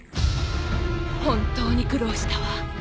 本当に苦労したわ。